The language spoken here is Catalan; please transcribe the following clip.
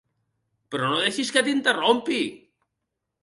Però no deixis que t'interrompi.